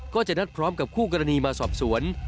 ก็จะนัดพร้อมกับคู่กรณีมาสอบสวน